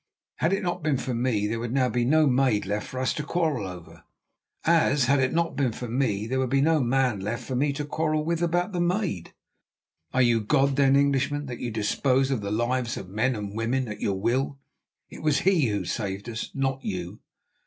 Had it not been for me, there would now be no maid left for us to quarrel over, as, had it not been for me, there would be no man left for me to quarrel with about the maid." "Are you God, then, Englishman, that you dispose of the lives of men and women at your will? It was He Who saved us, not you."